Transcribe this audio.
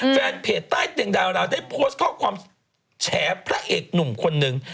แฟนเพจใต้เตียงดาวราวได้โพสต์ข้อความแฉพระเอกหนุ่มคนนึง